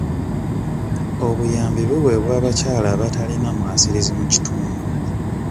Obuyambi buweebwa abakyala abatalina mwasirizi mu kitundu.